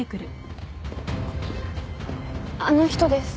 あの人です。